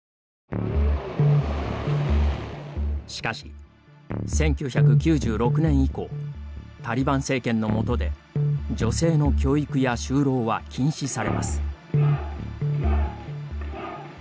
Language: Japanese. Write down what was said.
しかし、１９９６年以降タリバン政権の下で女性の教育や就労は禁止されます。